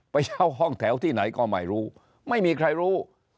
ไปเช่าห้องแถวที่ไหนก็ไม่รู้ไม่มีใครรู้